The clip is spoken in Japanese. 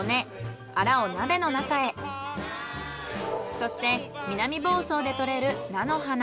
そして南房総で採れる菜の花。